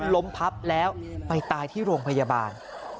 ล้มพับแล้วไปตายที่โรงพยาบาล